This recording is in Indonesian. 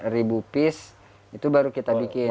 tiga ribu pis itu baru kita bikin